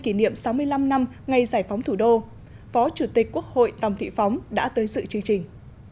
kỷ niệm sáu mươi năm năm ngày giải phóng thủ đô phó chủ tịch quốc hội tòng thị phóng đã tới sự chương trình